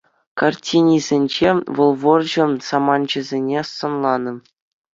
Картинисенче вӑл вӑрҫӑ саманчӗсене сӑнланнӑ.